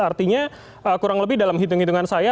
artinya kurang lebih dalam hitung hitungan saya